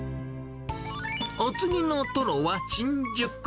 お次のトロは、新宿。